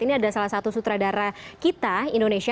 ini adalah salah satu sutradara kita indonesia